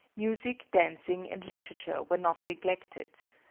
Music, dancing and literature were not neglected.